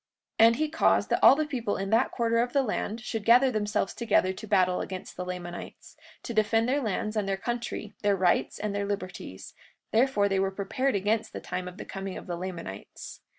43:26 And he caused that all the people in that quarter of the land should gather themselves together to battle against the Lamanites, to defend their lands and their country, their rights and their liberties; therefore they were prepared against the time of the coming of the Lamanites.